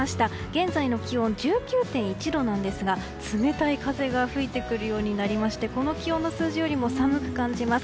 現在の気温１９．１度なんですが冷たい風が吹いてくるようになりましてこの気温の数字よりも寒く感じます。